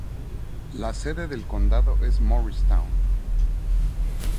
La sede del condado es Morristown.